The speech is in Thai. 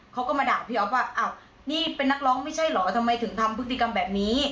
เขาก็มาด่าพี่อ๊อฟว่าอ้าวนี่เป็นนักร้องไม่ใช่เหรอทำไมถึงทำพฤติกรรมแบบนี้